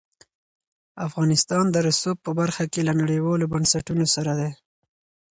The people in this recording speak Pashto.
افغانستان د رسوب په برخه کې له نړیوالو بنسټونو سره دی.